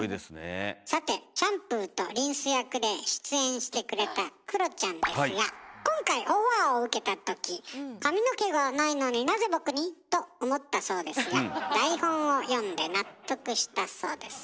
さてシャンプーとリンス役で出演してくれたクロちゃんですが今回オファーを受けたとき「髪の毛がないのになぜ僕に？」と思ったそうですが台本を読んで納得したそうです。